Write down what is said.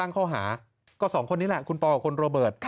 ตั้งเข้าหาก็สองคนนี้แหละคุณปอล์กับคนโรเบิร์ต